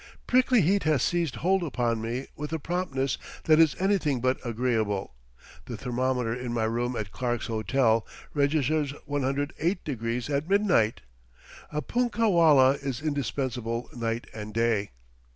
Prickly heat has seized hold upon me with a promptness that is anything but agreeable; the thermometer in my room at Clarke's Hotel registers 108 deg. at midnight. A punkah wallah is indispensable night and day.